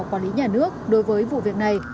quản lý nhà nước đối với vụ việc này